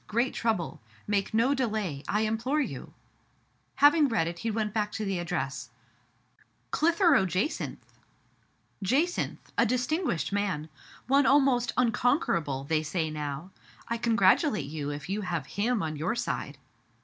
Great trouble ! Make no delay, I implore you ?Having read it, he went back to the address —" CHtheroe Jacynth !'*" Jacynth !— a distinguished man. One almost unconquerable, they say now. I congratulate you if you have him on your side.